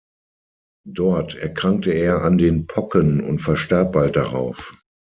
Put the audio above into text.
Dort erkrankte er an den Pocken und verstarb bald darauf.